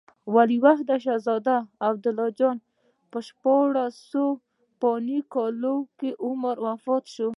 ولیعهد شهزاده عبدالله جان د شپاړسو فلاني کالو په عمر وفات شو.